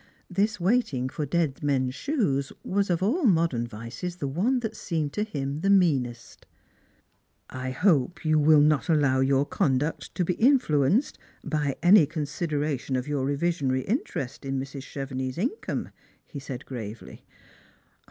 This waiting for dead men's shoes was of all modex n vices the one that seemed to him meanest. " I hope you wiU not allow your conduct to be influenced by any consideration of your reversionary interest in Mrs. Chevenix's income," he said gravely.